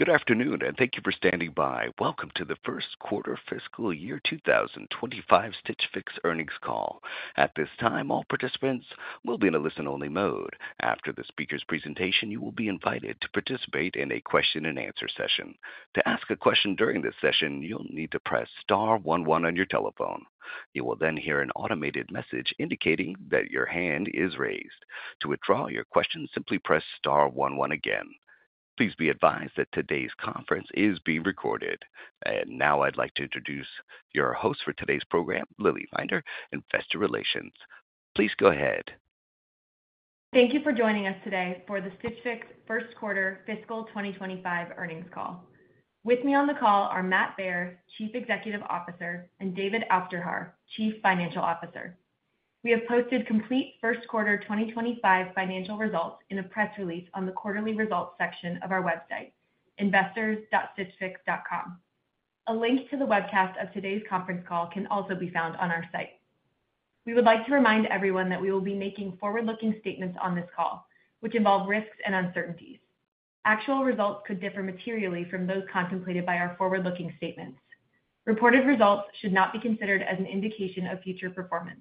Good afternoon, and thank you for standing by. Welcome to the first quarter fiscal year 2025 Stitch Fix earnings call. At this time, all participants will be in a listen-only mode. After the speaker's presentation, you will be invited to participate in a question-and-answer session. To ask a question during this session, you'll need to press star one one on your telephone. You will then hear an automated message indicating that your hand is raised. To withdraw your question, simply press star one one again. Please be advised that today's conference is being recorded. And now I'd like to introduce your host for today's program, Lilly Finder, Investor Relations. Please go ahead. Thank you for joining us today for the Stitch Fix first quarter fiscal 2025 earnings call. With me on the call are Matt Baer, Chief Executive Officer, and David Aufderhaar, Chief Financial Officer. We have posted complete first quarter 2025 financial results in a press release on the quarterly results section of our website, investors.stitchfix.com. A link to the webcast of today's conference call can also be found on our site. We would like to remind everyone that we will be making forward-looking statements on this call, which involve risks and uncertainties. Actual results could differ materially from those contemplated by our forward-looking statements. Reported results should not be considered as an indication of future performance.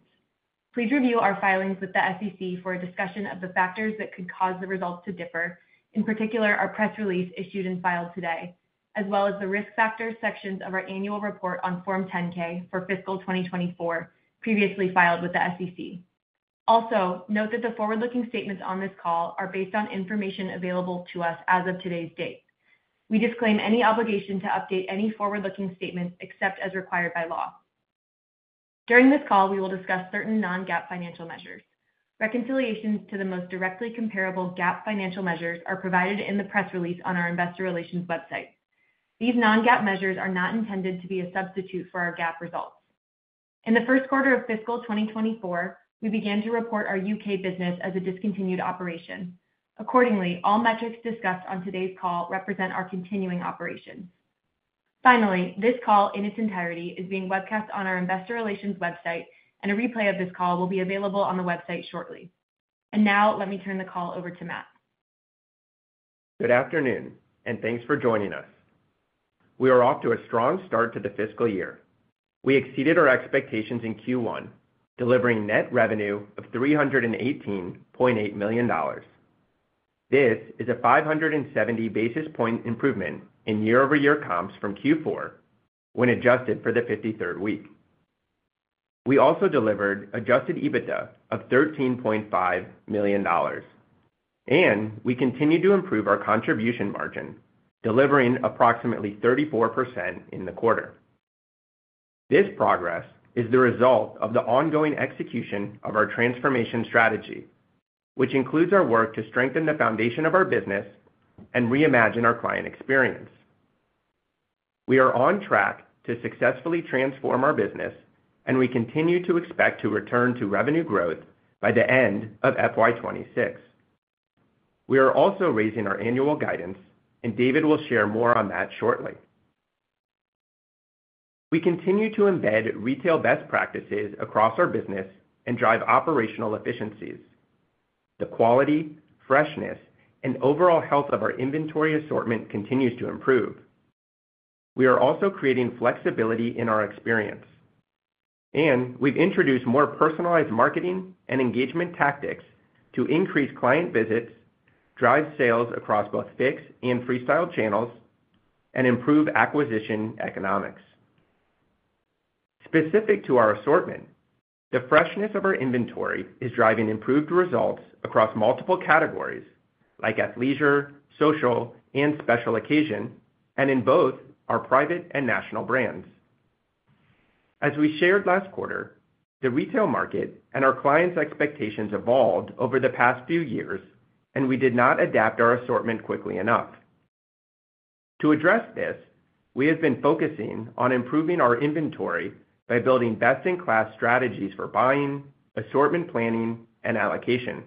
Please review our filings with the SEC for a discussion of the factors that could cause the results to differ, in particular our press release issued and filed today, as well as the risk factor sections of our annual report on Form 10-K for fiscal 2024 previously filed with the SEC. Also, note that the forward-looking statements on this call are based on information available to us as of today's date. We disclaim any obligation to update any forward-looking statements except as required by law. During this call, we will discuss certain non-GAAP financial measures. Reconciliations to the most directly comparable GAAP financial measures are provided in the press release on our Investor Relations website. These non-GAAP measures are not intended to be a substitute for our GAAP results. In the first quarter of fiscal 2024, we began to report our U.K. business as a discontinued operation. Accordingly, all metrics discussed on today's call represent our continuing operations. Finally, this call in its entirety is being webcast on our Investor Relations website, and a replay of this call will be available on the website shortly. And now, let me turn the call over to Matt. Good afternoon, and thanks for joining us. We are off to a strong start to the fiscal year. We exceeded our expectations in Q1, delivering net revenue of $318.8 million. This is a 570 basis point improvement in year-over-year comps from Q4 when adjusted for the 53rd week. We also delivered adjusted EBITDA of $13.5 million, and we continue to improve our contribution margin, delivering approximately 34% in the quarter. This progress is the result of the ongoing execution of our transformation strategy, which includes our work to strengthen the foundation of our business and reimagine our client experience. We are on track to successfully transform our business, and we continue to expect to return to revenue growth by the end of FY 2026. We are also raising our annual guidance, and David will share more on that shortly. We continue to embed retail best practices across our business and drive operational efficiencies. The quality, freshness, and overall health of our inventory assortment continues to improve. We are also creating flexibility in our experience, and we've introduced more personalized marketing and engagement tactics to increase client visits, drive sales across both Fix and Freestyle channels, and improve acquisition economics. Specific to our assortment, the freshness of our inventory is driving improved results across multiple categories like athleisure, social, and special occasion, and in both our private and national brands. As we shared last quarter, the retail market and our clients' expectations evolved over the past few years, and we did not adapt our assortment quickly enough. To address this, we have been focusing on improving our inventory by building best-in-class strategies for buying, assortment planning, and allocation.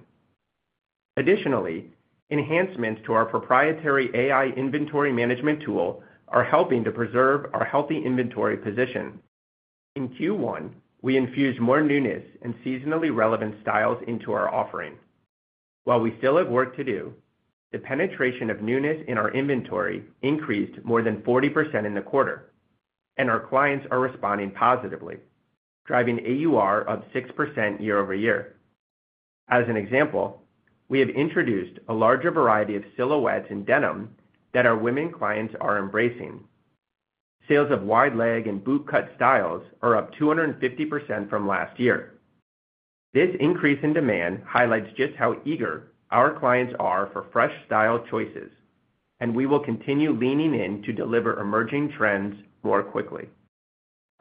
Additionally, enhancements to our proprietary AI inventory management tool are helping to preserve our healthy inventory position. In Q1, we infused more newness and seasonally relevant styles into our offering. While we still have work to do, the penetration of newness in our inventory increased more than 40% in the quarter, and our clients are responding positively, driving AUR of 6% year-over-year. As an example, we have introduced a larger variety of silhouettes and denim that our women clients are embracing. Sales of wide leg and bootcut styles are up 250% from last year. This increase in demand highlights just how eager our clients are for fresh style choices, and we will continue leaning in to deliver emerging trends more quickly.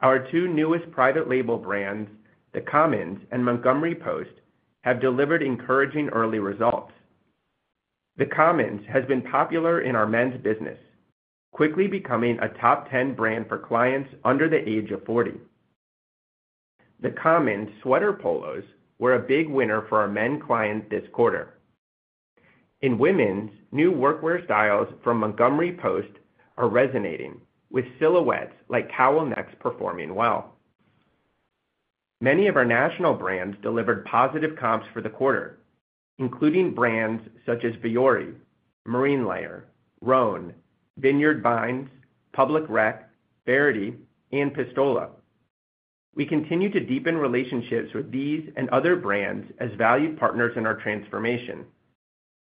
Our two newest private label brands, The Commons and Montgomery Post, have delivered encouraging early results. The Commons has been popular in our men's business, quickly becoming a top 10 brand for clients under the age of 40. The Commons sweater polos were a big winner for our men clients this quarter. In women's, new workwear styles from Montgomery Post are resonating, with silhouettes like cowl necks performing well. Many of our national brands delivered positive comps for the quarter, including brands such as Vuori, Marine Layer, Rhone, Vineyard Vines, Public Rec, Faherty, and Pistola. We continue to deepen relationships with these and other brands as valued partners in our transformation,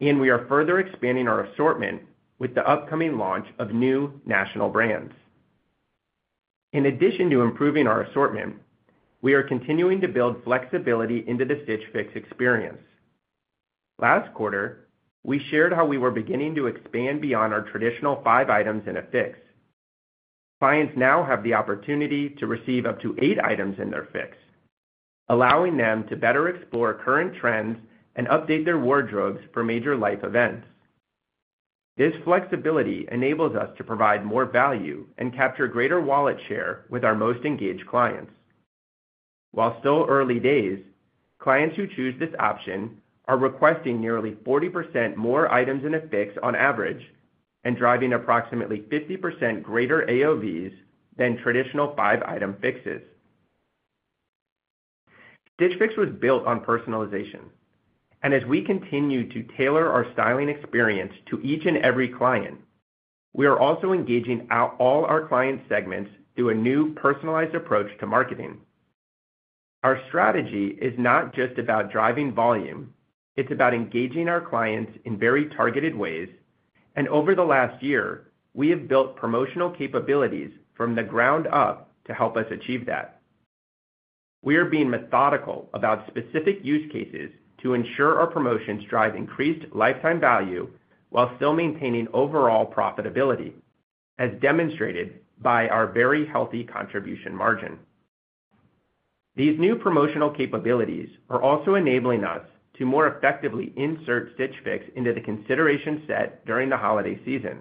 and we are further expanding our assortment with the upcoming launch of new national brands. In addition to improving our assortment, we are continuing to build flexibility into the Stitch Fix experience. Last quarter, we shared how we were beginning to expand beyond our traditional five items in a fix. Clients now have the opportunity to receive up to eight items in their fix, allowing them to better explore current trends and update their wardrobes for major life events. This flexibility enables us to provide more value and capture greater wallet share with our most engaged clients. While still early days, clients who choose this option are requesting nearly 40% more items in a fix on average and driving approximately 50% greater AOVs than traditional five-item fixes. Stitch Fix was built on personalization, and as we continue to tailor our styling experience to each and every client, we are also engaging all our client segments through a new personalized approach to marketing. Our strategy is not just about driving volume. It's about engaging our clients in very targeted ways, and over the last year, we have built promotional capabilities from the ground up to help us achieve that. We are being methodical about specific use cases to ensure our promotions drive increased lifetime value while still maintaining overall profitability, as demonstrated by our very healthy contribution margin. These new promotional capabilities are also enabling us to more effectively insert Stitch Fix into the considerations set during the holiday season.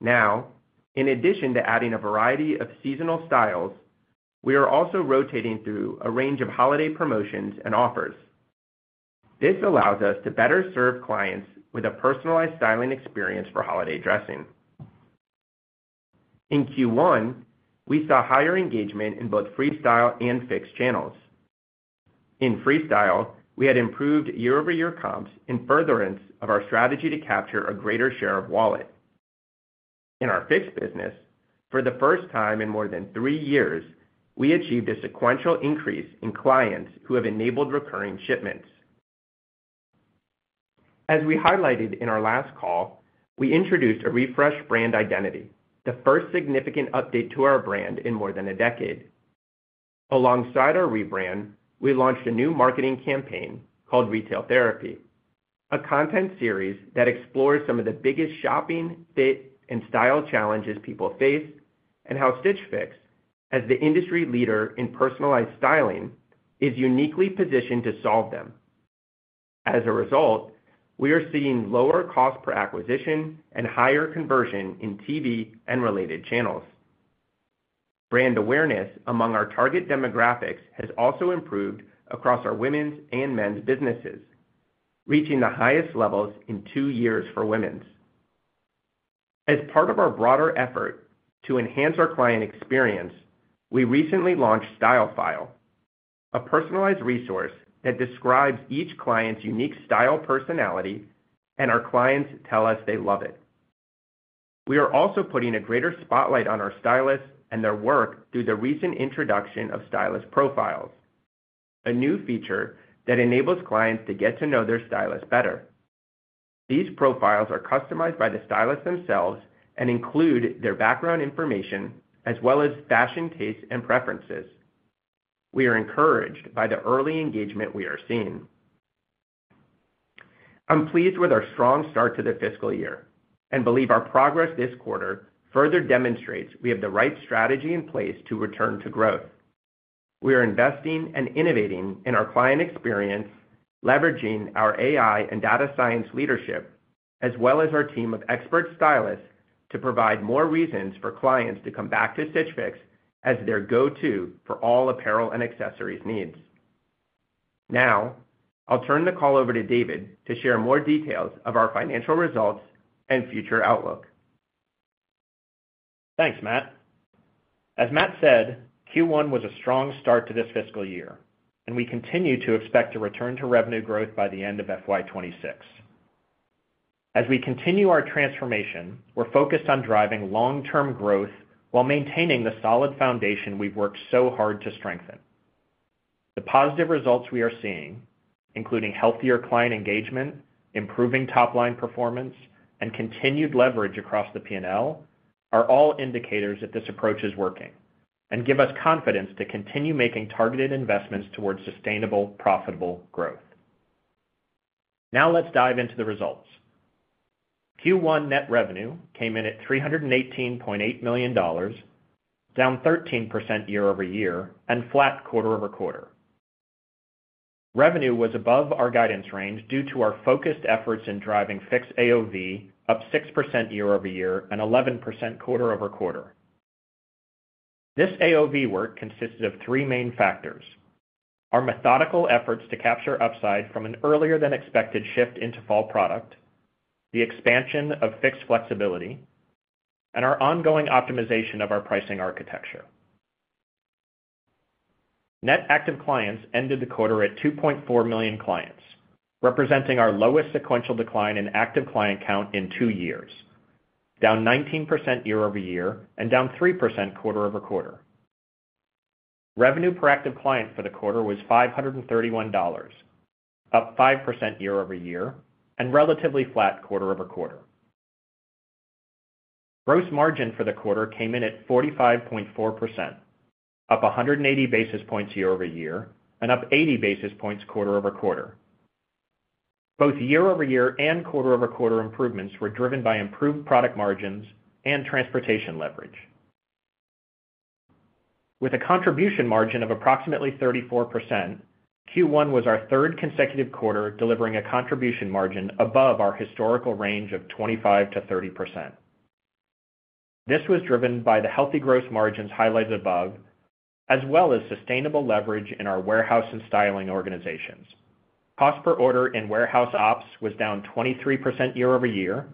Now, in addition to adding a variety of seasonal styles, we are also rotating through a range of holiday promotions and offers. This allows us to better serve clients with a personalized styling experience for holiday dressing. In Q1, we saw higher engagement in both Freestyle and Fix channels. In Freestyle, we had improved year-over-year comps and furtherance of our strategy to capture a greater share of wallet. In our Fix business, for the first time in more than three years, we achieved a sequential increase in clients who have enabled recurring shipments. As we highlighted in our last call, we introduced a refreshed brand identity, the first significant update to our brand in more than a decade. Alongside our rebrand, we launched a new marketing campaign called Retail Therapy, a content series that explores some of the biggest shopping, fit, and style challenges people face, and how Stitch Fix, as the industry leader in personalized styling, is uniquely positioned to solve them. As a result, we are seeing lower cost per acquisition and higher conversion in TV and related channels. Brand awareness among our target demographics has also improved across our women's and men's businesses, reaching the highest levels in two years for women's. As part of our broader effort to enhance our client experience, we recently launched Style File, a personalized resource that describes each client's unique style personality, and our clients tell us they love it. We are also putting a greater spotlight on our stylists and their work through the recent introduction of stylist profiles, a new feature that enables clients to get to know their stylist better. These profiles are customized by the stylist themselves and include their background information as well as fashion tastes and preferences. We are encouraged by the early engagement we are seeing. I'm pleased with our strong start to the fiscal year and believe our progress this quarter further demonstrates we have the right strategy in place to return to growth. We are investing and innovating in our client experience, leveraging our AI and data science leadership, as well as our team of expert stylists to provide more reasons for clients to come back to Stitch Fix as their go-to for all apparel and accessories needs. Now, I'll turn the call over to David to share more details of our financial results and future outlook. Thanks, Matt. As Matt said, Q1 was a strong start to this fiscal year, and we continue to expect a return to revenue growth by the end of FY 2026. As we continue our transformation, we're focused on driving long-term growth while maintaining the solid foundation we've worked so hard to strengthen. The positive results we are seeing, including healthier client engagement, improving top-line performance, and continued leverage across the P&L, are all indicators that this approach is working and give us confidence to continue making targeted investments towards sustainable, profitable growth. Now, let's dive into the results. Q1 net revenue came in at $318.8 million, down 13% year-over-year and flat quarter-over-quarter. Revenue was above our guidance range due to our focused efforts in driving Fix AOV up 6% year-over-year and 11% quarter-over-quarter. This AOV work consisted of three main factors: our methodical efforts to capture upside from an earlier-than-expected shift into fall product, the expansion of Flex Fix, and our ongoing optimization of our pricing architecture. Net active clients ended the quarter at 2.4 million clients, representing our lowest sequential decline in active client count in two years, down 19% year-over-year and down 3% quarter-over-quarter. Revenue per active client for the quarter was $531, up 5% year-over-year and relatively flat quarter-over-quarter. Gross margin for the quarter came in at 45.4%, up 180 basis points year-over-year and up 80 basis points quarter-over-quarter. Both year-over-year and quarter-over-quarter improvements were driven by improved product margins and transportation leverage. With a contribution margin of approximately 34%, Q1 was our third consecutive quarter delivering a contribution margin above our historical range of 25%-30%. This was driven by the healthy gross margins highlighted above, as well as sustainable leverage in our warehouse and styling organizations. Cost per order in warehouse ops was down 23% year-over-year,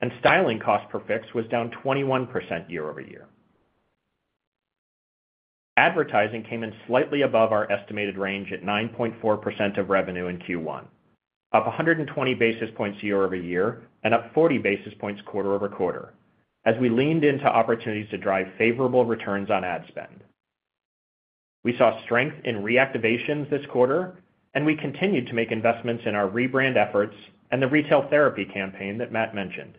and styling cost per fix was down 21% year-over-year. Advertising came in slightly above our estimated range at 9.4% of revenue in Q1, up 120 basis points year-over-year and up 40 basis points quarter-over-quarter as we leaned into opportunities to drive favorable returns on ad spend. We saw strength in reactivations this quarter, and we continued to make investments in our rebrand efforts and the Retail Therapy campaign that Matt mentioned.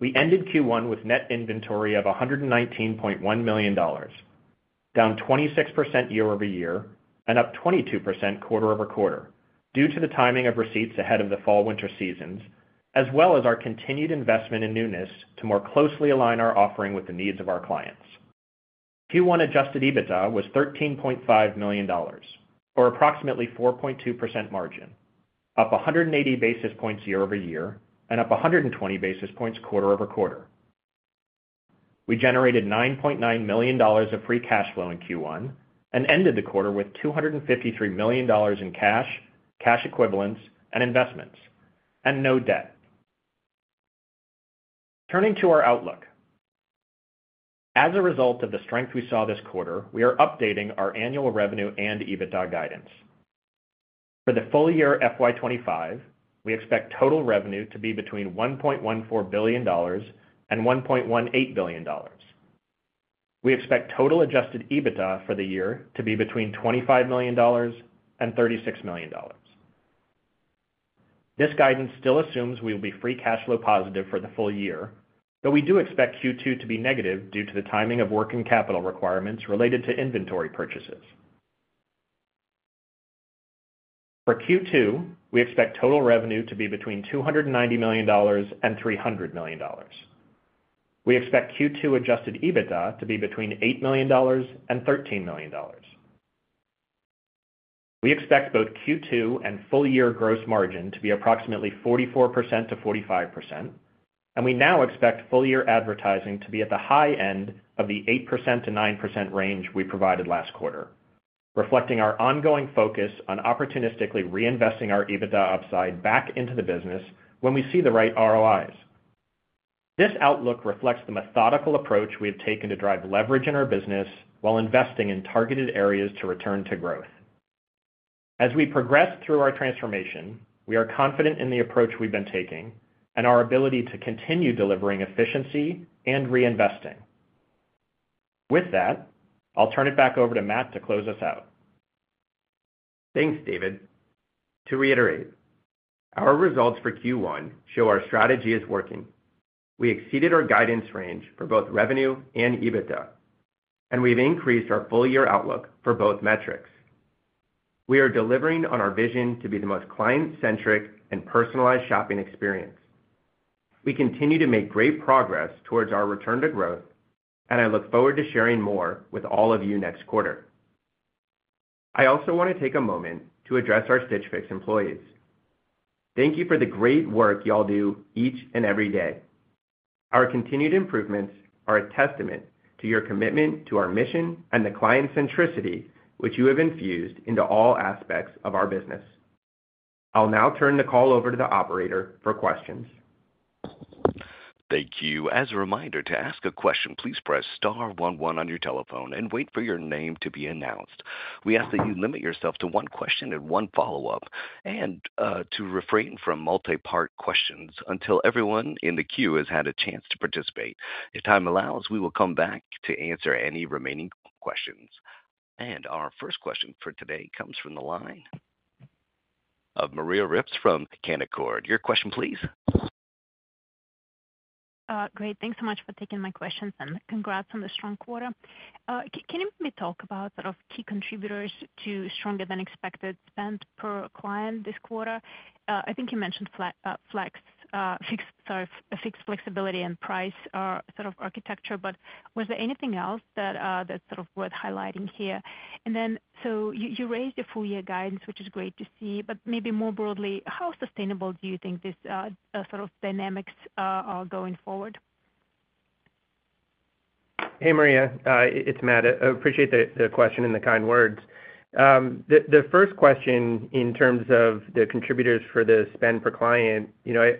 We ended Q1 with net inventory of $119.1 million, down 26% year-over-year and up 22% quarter-over-quarter due to the timing of receipts ahead of the fall-winter seasons, as well as our continued investment in newness to more closely align our offering with the needs of our clients. Q1 Adjusted EBITDA was $13.5 million, or approximately 4.2% margin, up 180 basis points year-over-year and up 120 basis points quarter-over-quarter. We generated $9.9 million of Free Cash Flow in Q1 and ended the quarter with $253 million in cash, cash equivalents, and investments, and no debt. Turning to our outlook, as a result of the strength we saw this quarter, we are updating our annual revenue and EBITDA guidance. For the full year FY 2025, we expect total revenue to be between $1.14 billion and $1.18 billion. We expect total Adjusted EBITDA for the year to be between $25 million and $36 million. This guidance still assumes we will be Free Cash Flow positive for the full year, but we do expect Q2 to be negative due to the timing of working capital requirements related to inventory purchases. For Q2, we expect total revenue to be between $290 million and $300 million. We expect Q2 adjusted EBITDA to be between $8 million and $13 million. We expect both Q2 and full year gross margin to be approximately 44%-45%, and we now expect full year advertising to be at the high end of the 8%-9% range we provided last quarter, reflecting our ongoing focus on opportunistically reinvesting our EBITDA upside back into the business when we see the right ROIs. This outlook reflects the methodical approach we have taken to drive leverage in our business while investing in targeted areas to return to growth. As we progress through our transformation, we are confident in the approach we've been taking and our ability to continue delivering efficiency and reinvesting. With that, I'll turn it back over to Matt to close us out. Thanks, David. To reiterate, our results for Q1 show our strategy is working. We exceeded our guidance range for both revenue and EBITDA, and we've increased our full year outlook for both metrics. We are delivering on our vision to be the most client-centric and personalized shopping experience. We continue to make great progress towards our return to growth, and I look forward to sharing more with all of you next quarter. I also want to take a moment to address our Stitch Fix employees. Thank you for the great work y'all do each and every day. Our continued improvements are a testament to your commitment to our mission and the client centricity which you have infused into all aspects of our business. I'll now turn the call over to the operator for questions. Thank you. As a reminder, to ask a question, please press star one one on your telephone and wait for your name to be announced. We ask that you limit yourself to one question and one follow-up and to refrain from multi-part questions until everyone in the queue has had a chance to participate. If time allows, we will come back to answer any remaining questions. And our first question for today comes from the line of Maria Ripps from Canaccord. Your question, please. Great. Thanks so much for taking my questions, and congrats on the strong quarter. Can you maybe talk about sort of key contributors to stronger-than-expected spend per client this quarter? I think you mentioned Flex Fix flexibility and pricing sort of architecture, but was there anything else that's sort of worth highlighting here? And then, so you raised your full year guidance, which is great to see, but maybe more broadly, how sustainable do you think these sort of dynamics are going forward? Hey, Maria. It's Matt. I appreciate the question and the kind words. The first question in terms of the contributors for the spend per client,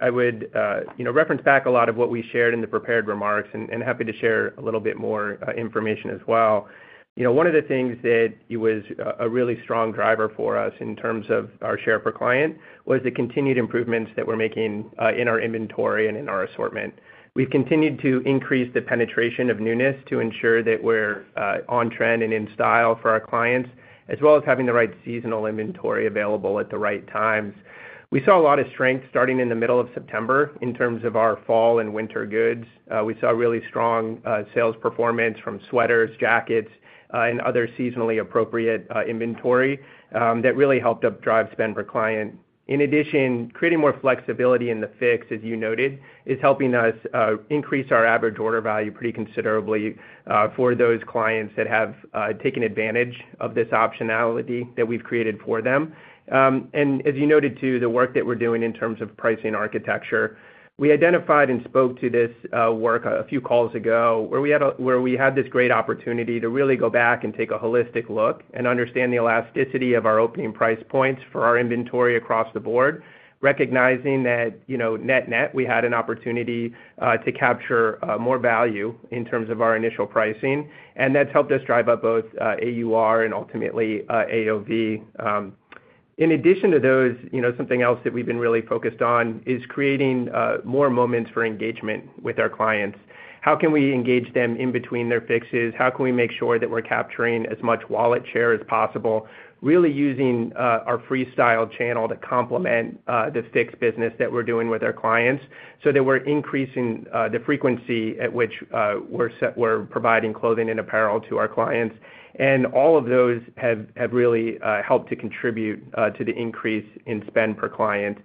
I would reference back a lot of what we shared in the prepared remarks and happy to share a little bit more information as well. One of the things that was a really strong driver for us in terms of our spend per client was the continued improvements that we're making in our inventory and in our assortment. We've continued to increase the penetration of newness to ensure that we're on trend and in style for our clients, as well as having the right seasonal inventory available at the right times. We saw a lot of strength starting in the middle of September in terms of our fall and winter goods. We saw really strong sales performance from sweaters, jackets, and other seasonally appropriate inventory that really helped us drive spend per client. In addition, creating more flexibility in the Fix, as you noted, is helping us increase our average order value pretty considerably for those clients that have taken advantage of this optionality that we've created for them. And as you noted, too, the work that we're doing in terms of pricing architecture. We identified and spoke to this work a few calls ago where we had this great opportunity to really go back and take a holistic look and understand the elasticity of our opening price points for our inventory across the board, recognizing that net-net, we had an opportunity to capture more value in terms of our initial pricing, and that's helped us drive up both AUR and ultimately AOV. In addition to those, something else that we've been really focused on is creating more moments for engagement with our clients. How can we engage them in between their fixes? How can we make sure that we're capturing as much wallet share as possible, really using our freestyle channel to complement the fix business that we're doing with our clients so that we're increasing the frequency at which we're providing clothing and apparel to our clients, and all of those have really helped to contribute to the increase in spend per client,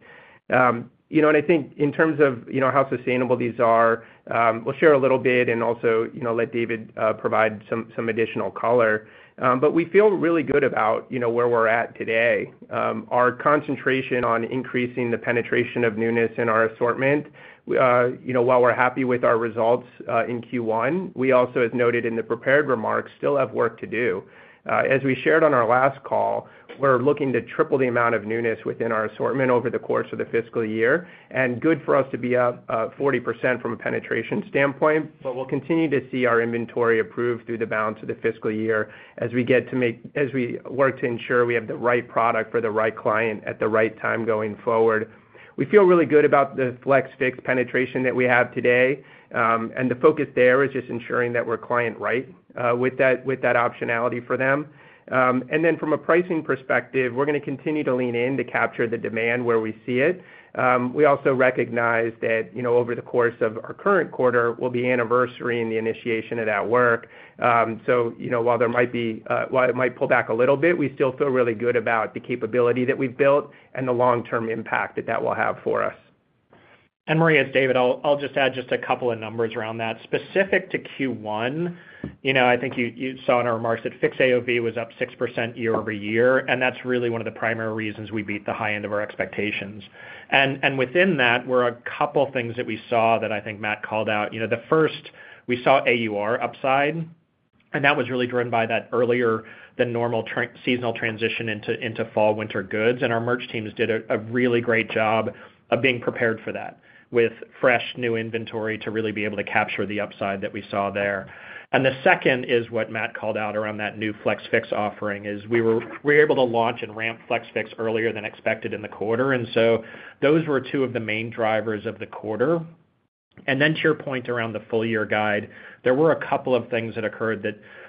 and I think in terms of how sustainable these are, we'll share a little bit and also let David provide some additional color, but we feel really good about where we're at today. Our concentration on increasing the penetration of newness in our assortment, while we're happy with our results in Q1, we also, as noted in the prepared remarks, still have work to do. As we shared on our last call, we're looking to triple the amount of newness within our assortment over the course of the fiscal year, and good for us to be up 40% from a penetration standpoint, but we'll continue to see our inventory improve through the balance of the fiscal year as we work to ensure we have the right product for the right client at the right time going forward. We feel really good about the Flex Fix penetration that we have today, and the focus there is just ensuring that we're client-right with that optionality for them. Then from a pricing perspective, we're going to continue to lean in to capture the demand where we see it. We also recognize that over the course of our current quarter, we'll be anniversary in the initiation of that work. While it might pull back a little bit, we still feel really good about the capability that we've built and the long-term impact that that will have for us. Maria, as David, I'll just add just a couple of numbers around that. Specific to Q1, I think you saw in our remarks that Fix AOV was up 6% year-over-year, and that's really one of the primary reasons we beat the high end of our expectations. Within that, were a couple of things that we saw that I think Matt called out. The first, we saw AUR upside, and that was really driven by that earlier than normal seasonal transition into fall-winter goods, and our merch teams did a really great job of being prepared for that with fresh new inventory to really be able to capture the upside that we saw there. The second is what Matt called out around that new Flex Fix offering is we were able to launch and ramp Flex Fix earlier than expected in the quarter, and so those were two of the main drivers of the quarter. Then to your point around the full year guide, there were a couple of things that occurred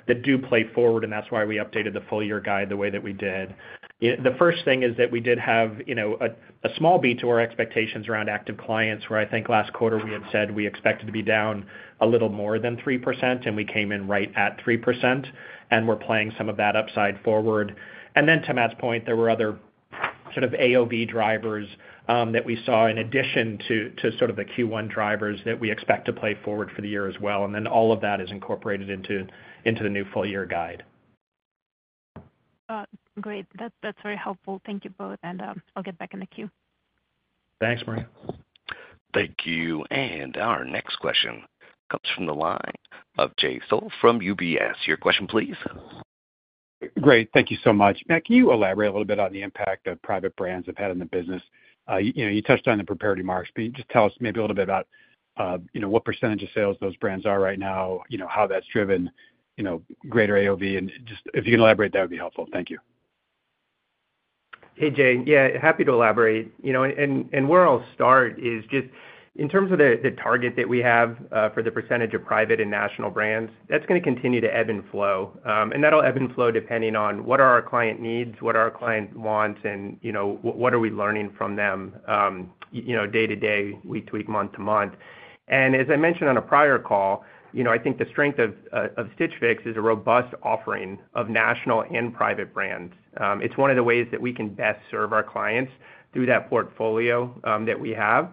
that do play forward, and that's why we updated the full year guide the way that we did. The first thing is that we did have a small beat to our expectations around active clients where I think last quarter we had said we expected to be down a little more than 3%, and we came in right at 3%, and we're playing some of that upside forward. And then to Matt's point, there were other sort of AOV drivers that we saw in addition to sort of the Q1 drivers that we expect to play forward for the year as well, and then all of that is incorporated into the new full year guide. Great. That's very helpful. Thank you both, and I'll get back in the queue. Thanks, Maria. Thank you. And our next question comes from the line of Jay Sole from UBS. Your question, please. Great. Thank you so much. Matt, can you elaborate a little bit on the impact that private brands have had in the business? You touched on the prepared remarks, but just tell us maybe a little bit about what percentage of sales those brands are right now, how that's driven greater AOV, and just if you can elaborate, that would be helpful. Thank you. Hey, Jay. Yeah, happy to elaborate. And where I'll start is just in terms of the target that we have for the percentage of private and national brands, that's going to continue to ebb and flow, and that'll ebb and flow depending on what are our client needs, what are our client wants, and what are we learning from them day-to-day, week-to-week, month-to-month. And as I mentioned on a prior call, I think the strength of Stitch Fix is a robust offering of national and private brands. It's one of the ways that we can best serve our clients through that portfolio that we have.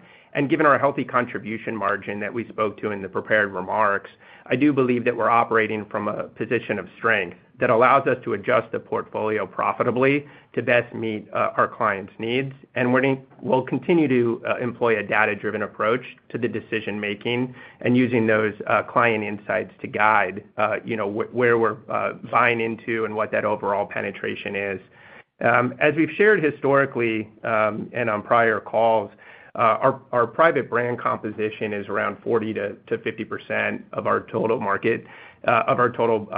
Given our healthy contribution margin that we spoke to in the prepared remarks, I do believe that we're operating from a position of strength that allows us to adjust the portfolio profitably to best meet our client's needs, and we'll continue to employ a data-driven approach to the decision-making and using those client insights to guide where we're buying into and what that overall penetration is. As we've shared historically and on prior calls, our private brand composition is around 40%-50% of our total market of our total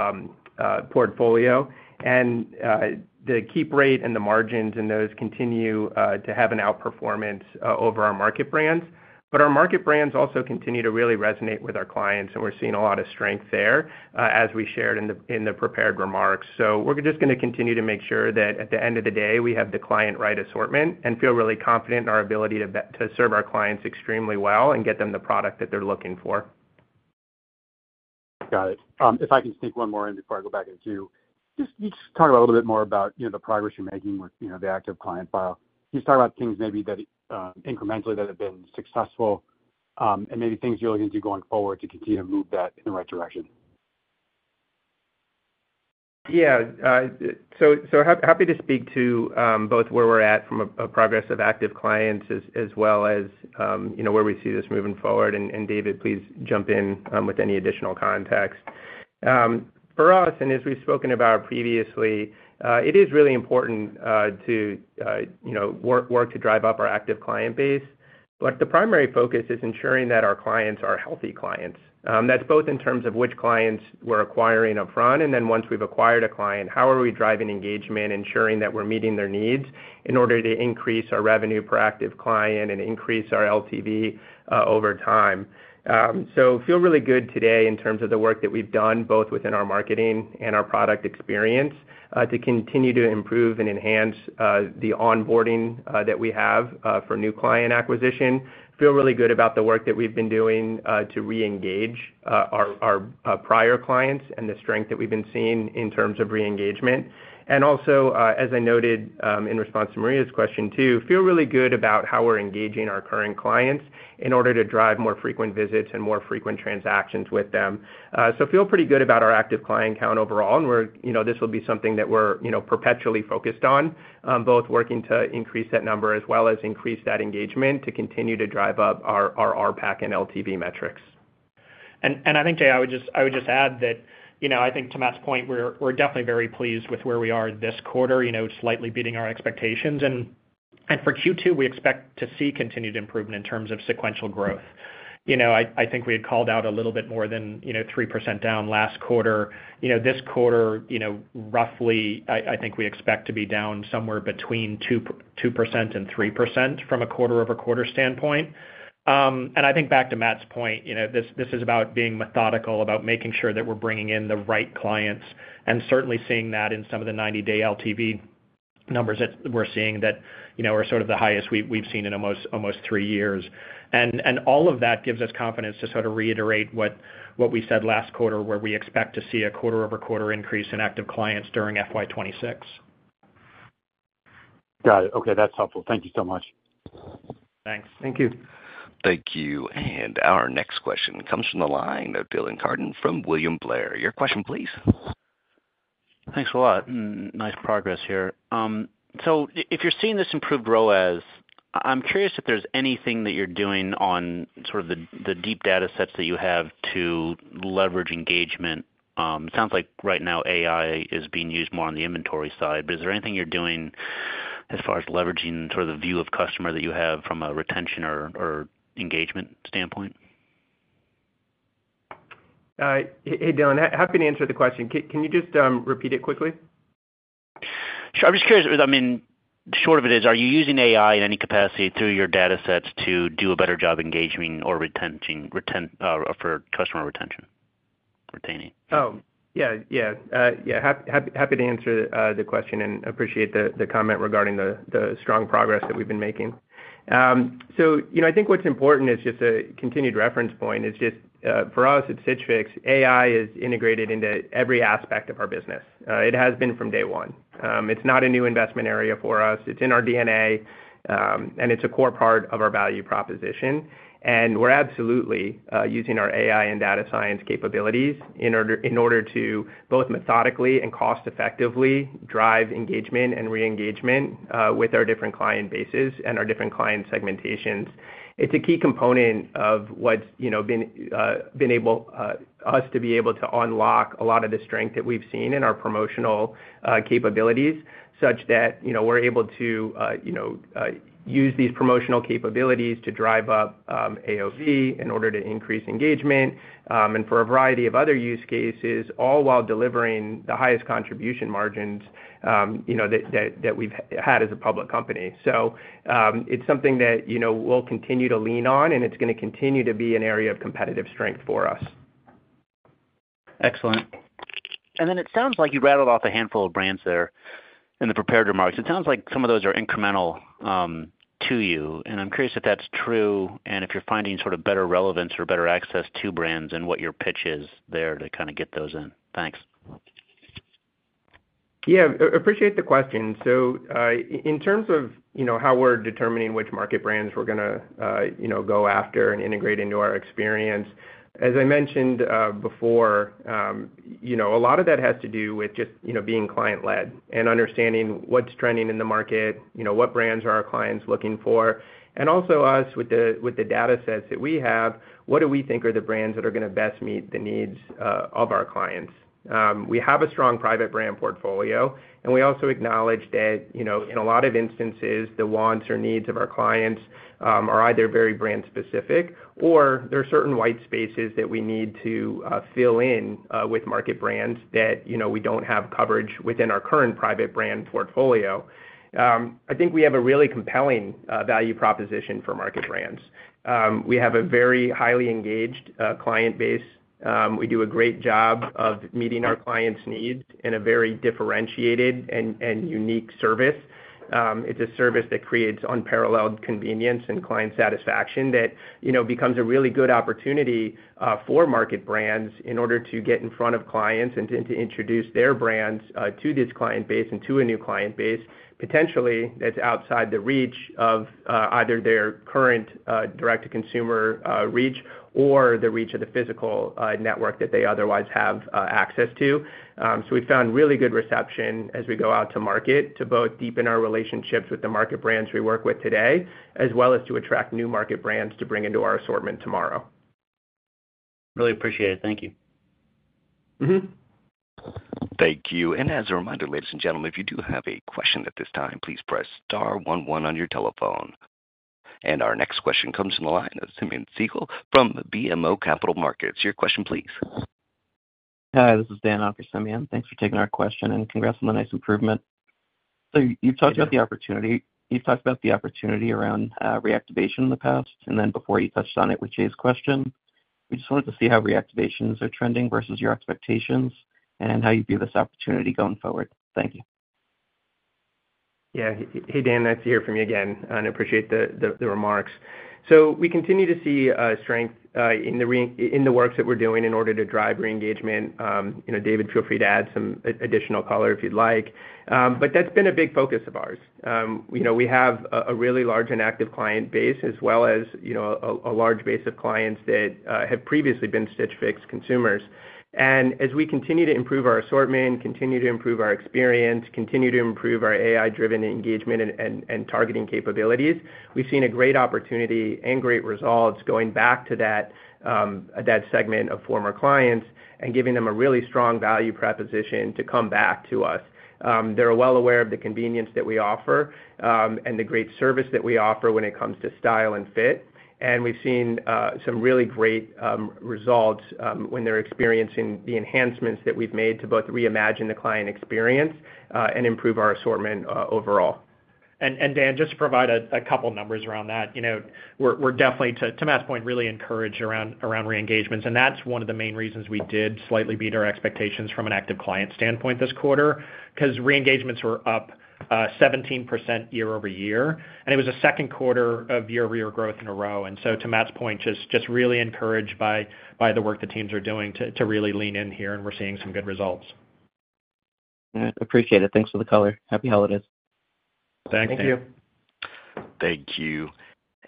portfolio, and the keep rate and the margins and those continue to have an outperformance over our market brands. But our market brands also continue to really resonate with our clients, and we're seeing a lot of strength there as we shared in the prepared remarks. So, we're just going to continue to make sure that at the end of the day, we have the client-right assortment and feel really confident in our ability to serve our clients extremely well and get them the product that they're looking for. Got it. If I can sneak one more in before I go back in the queue, just talk about a little bit more about the progress you're making with the active client file. Can you just talk about things maybe that incrementally that have been successful and maybe things you're looking to do going forward to continue to move that in the right direction? Yeah. So happy to speak to both where we're at from a progress of active clients as well as where we see this moving forward. And David, please jump in with any additional context. For us, and as we've spoken about previously, it is really important to work to drive up our active client base, but the primary focus is ensuring that our clients are healthy clients. That's both in terms of which clients we're acquiring upfront, and then once we've acquired a client, how are we driving engagement, ensuring that we're meeting their needs in order to increase our revenue per active client and increase our LTV over time. So feel really good today in terms of the work that we've done both within our marketing and our product experience to continue to improve and enhance the onboarding that we have for new client acquisition. Feel really good about the work that we've been doing to re-engage our prior clients and the strength that we've been seeing in terms of re-engagement. And also, as I noted in response to Maria's question too, feel really good about how we're engaging our current clients in order to drive more frequent visits and more frequent transactions with them. So feel pretty good about our active client count overall, and this will be something that we're perpetually focused on, both working to increase that number as well as increase that engagement to continue to drive up our RPAC and LTV metrics. And I think, Jay, I would just add that I think to Matt's point, we're definitely very pleased with where we are this quarter, slightly beating our expectations. And for Q2, we expect to see continued improvement in terms of sequential growth. I think we had called out a little bit more than 3% down last quarter. This quarter, roughly, I think we expect to be down somewhere between 2% and 3% from a quarter-over-quarter standpoint. And I think back to Matt's point, this is about being methodical about making sure that we're bringing in the right clients and certainly seeing that in some of the 90-day LTV numbers that we're seeing that are sort of the highest we've seen in almost three years. And all of that gives us confidence to sort of reiterate what we said last quarter where we expect to see a quarter-over-quarter increase in active clients during FY 2026. Got it. Okay. That's helpful. Thank you so much. Thanks. Thank you. Thank you. And our next question comes from the line of Dylan Carden from William Blair. Your question, please. Thanks a lot. Nice progress here. So if you're seeing this improved ROAS, I'm curious if there's anything that you're doing on sort of the deep data sets that you have to leverage engagement. It sounds like right now AI is being used more on the inventory side, but is there anything you're doing as far as leveraging sort of the view of customer that you have from a retention or engagement standpoint? Hey, Dylan. Happy to answer the question. Can you just repeat it quickly? Sure. I'm just curious. I mean, short of it is, are you using AI in any capacity through your data sets to do a better job engaging or retention for customer retention, retaining? Oh, yeah. Yeah. Yeah. Happy to answer the question and appreciate the comment regarding the strong progress that we've been making. So I think what's important is just a continued reference point is just for us at Stitch Fix, AI is integrated into every aspect of our business. It has been from day one. It's not a new investment area for us. It's in our DNA, and it's a core part of our value proposition. And we're absolutely using our AI and data science capabilities in order to both methodically and cost-effectively drive engagement and re-engagement with our different client bases and our different client segmentations. It's a key component of what's enabled us to be able to unlock a lot of the strength that we've seen in our promotional capabilities such that we're able to use these promotional capabilities to drive up AOV in order to increase engagement and for a variety of other use cases, all while delivering the highest contribution margins that we've had as a public company. So it's something that we'll continue to lean on, and it's going to continue to be an area of competitive strength for us. Excellent. And then it sounds like you rattled off a handful of brands there in the prepared remarks. It sounds like some of those are incremental to you, and I'm curious if that's true and if you're finding sort of better relevance or better access to brands and what your pitch is there to kind of get those in. Thanks. Yeah. Appreciate the question. So in terms of how we're determining which market brands we're going to go after and integrate into our experience, as I mentioned before, a lot of that has to do with just being client-led and understanding what's trending in the market, what brands are our clients looking for, and also us with the data sets that we have, what do we think are the brands that are going to best meet the needs of our clients. We have a strong private brand portfolio, and we also acknowledge that in a lot of instances, the wants or needs of our clients are either very brand-specific or there are certain white spaces that we need to fill in with market brands that we don't have coverage within our current private brand portfolio. I think we have a really compelling value proposition for market brands. We have a very highly engaged client base. We do a great job of meeting our clients' needs in a very differentiated and unique service. It's a service that creates unparalleled convenience and client satisfaction that becomes a really good opportunity for market brands in order to get in front of clients and to introduce their brands to this client base and to a new client base potentially that's outside the reach of either their current direct-to-consumer reach or the reach of the physical network that they otherwise have access to. So we've found really good reception as we go out to market to both deepen our relationships with the market brands we work with today as well as to attract new market brands to bring into our assortment tomorrow. Really appreciate it. Thank you. Thank you. And as a reminder, ladies and gentlemen, if you do have a question at this time, please press star 11 on your telephone. And our next question comes from the line of Simeon Siegel from BMO Capital Markets. Your question, please. Hi. This is Dan on for, Simeon. Thanks for taking our question and congrats on the nice improvement. So you've talked about the opportunity. You've talked about the opportunity around reactivation in the past, and then before you touched on it with Jay's question, we just wanted to see how reactivations are trending versus your expectations and how you view this opportunity going forward. Thank you. Yeah. Hey, Dan. Nice to hear from you again, and I appreciate the remarks, so we continue to see strength in the works that we're doing in order to drive re-engagement. David, feel free to add some additional color if you'd like, but that's been a big focus of ours. We have a really large and active client base as well as a large base of clients that have previously been Stitch Fix consumers, and as we continue to improve our assortment, continue to improve our experience, continue to improve our AI-driven engagement and targeting capabilities, we've seen a great opportunity and great results going back to that segment of former clients and giving them a really strong value proposition to come back to us. They're well aware of the convenience that we offer and the great service that we offer when it comes to style and fit. We've seen some really great results when they're experiencing the enhancements that we've made to both re-imagine the client experience and improve our assortment overall. Dan, just to provide a couple of numbers around that, we're definitely, to Matt's point, really encouraged around re-engagements. That's one of the main reasons we did slightly beat our expectations from an active client standpoint this quarter because re-engagements were up 17% year over year, and it was a second quarter of year-over-year growth in a row. So to Matt's point, just really encouraged by the work the teams are doing to really lean in here, and we're seeing some good results. Yeah. Appreciate it. Thanks for the color. Happy holidays. Thank you. Thank you. Thank you,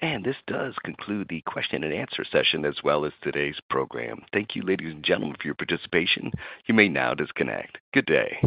and this does conclude the question-and-answer session as well as today's program. Thank you, ladies and gentlemen, for your participation. You may now disconnect. Good day.